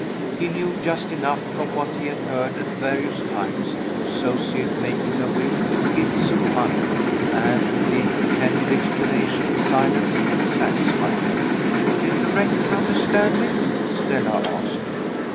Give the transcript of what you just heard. He knew just enough, from what he had heard at various times, to associate making a will with gifts of money and the pretended explanation silenced and satisfied him." "Did the Rector understand it?" Stella asked.